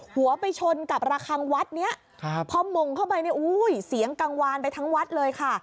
หัวไปชนกับระคังวัดเนี่ยพอมงข้อใบสียงกางวานไปทั้งวัดเลยค่ะ